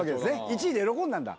１位で喜んだんだ。